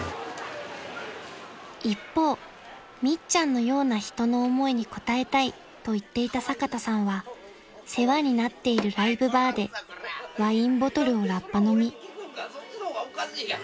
［一方みっちゃんのような人の思いに応えたいと言っていた坂田さんは世話になっているライブバーでワインボトルをラッパ飲み］